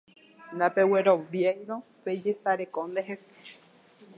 Ndapegueroviáiramo pejesarekónte hese